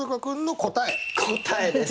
答えです。